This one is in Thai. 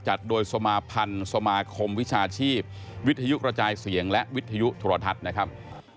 จัดโดยสมาพันธ์สมาคมวิชาชีพวิทยุกระจายเสียงและวิทยุโทรทัศน์นะครับ